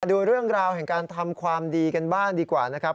ดูเรื่องราวแห่งการทำความดีกันบ้างดีกว่านะครับ